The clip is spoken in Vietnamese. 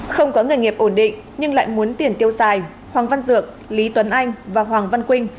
không có nghề nghiệp ổn định nhưng lại muốn tiền tiêu xài hoàng văn dược lý tuấn anh và hoàng văn quynh